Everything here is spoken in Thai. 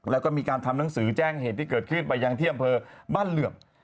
แล้วก็มีการทำหนังสือแจ้งเหตุที่เกิดขึ้นไปยังที่อำเภอบ้านเหลื่อม